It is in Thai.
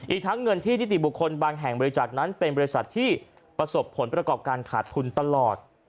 อีกทั้งเงินที่นิติบุคคลบางแห่งบริจาคนั้นเป็นบริษัทที่ประสบผลประกอบการขาดทุนตลอด